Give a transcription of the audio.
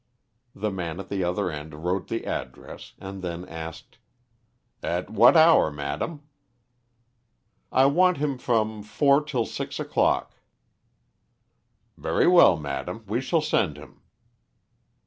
The man at the other end wrote the address, and then asked "At what hour, madam?" "I want him from four till six o'clock." "Very well, madam, we shall send him."